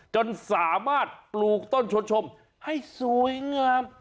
จนสามารถปลูกต้นชวนชมให้สวยงาม